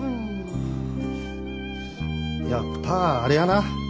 やっぱあれやな。